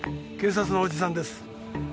警察のおじさんです。